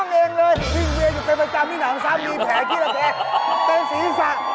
เต็มสีสัก